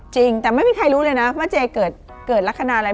จริงแต่ไม่มีใครรู้เลยนะว่าเจเกิดลักษณะอะไร